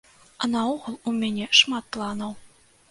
А наогул, у мяне шмат планаў.